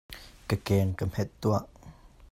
Ka keng ka hmet tuah.